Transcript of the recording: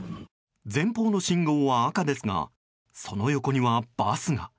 前方の信号は赤ですがその横にはバスが。